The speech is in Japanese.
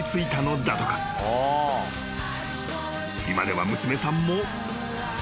［今では娘さんも］